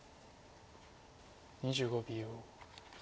２５秒。